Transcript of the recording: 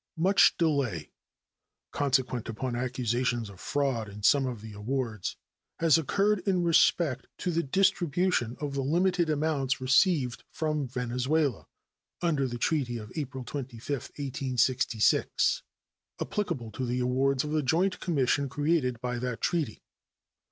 Much delay (consequent upon accusations of fraud in some of the awards) has occurred in respect to the distribution of the limited amounts received from Venezuela under the treaty of April 25, 1866, applicable to the awards of the joint commission created by that treaty.